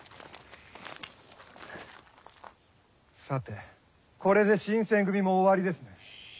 さてこれで新選組も終わりですね。